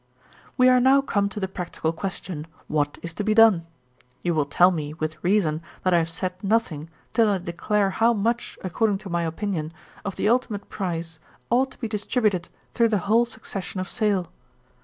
'We are now come to the practical question, what is to be done? You will tell me, with reason, that I have said nothing, till I declare how much, according to my opinion, of the ultimate price ought to be distributed through the whole succession of sale.